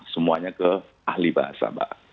semuanya ke ahli bahasa mbak